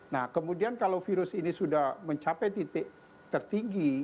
nah kemudian kalau virus ini sudah mencapai titik tertinggi